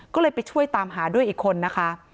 ก็เลยไปช่วยตามหาด้วยอีกคนนะคะ